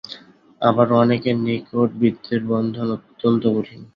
আবার অনেকের নিকট বিত্তের বন্ধন অত্যন্ত কঠিন।